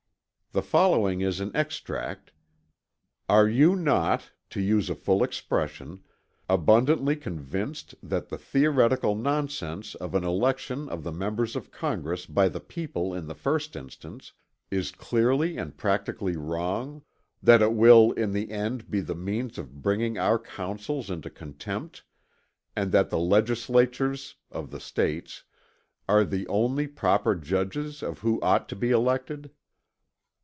_ The following is an extract 'Are you not, to use a full expression, abundantly convinced that the theoretical nonsense of an election of the members of Congress by the people in the first instance, is clearly and practically wrong that it will in the end be the means of bringing our Councils into contempt and that the Legislatures (of the States) are the only proper judges of who ought to be elected?'"